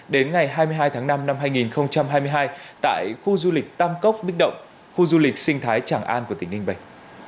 đến ngày hai mươi hai tháng năm năm hai nghìn hai mươi hai tại khu du lịch tam cốc bích động khu du lịch sinh thái tràng an của tỉnh ninh bình